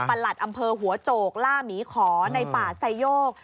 หลัดอำเภอหัวโจกล่าหมีขอในป่าไซโยก